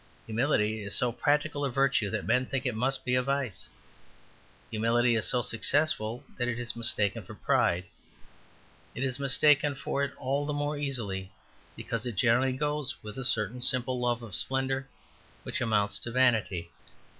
Humility is so practical a virtue that men think it must be a vice. Humility is so successful that it is mistaken for pride. It is mistaken for it all the more easily because it generally goes with a certain simple love of splendour which amounts to vanity.